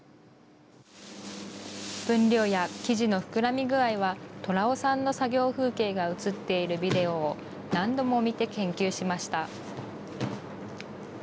分量や生地の膨らみ具合は虎雄さんの作業風景が映っているビデオを何度も見て研究しました。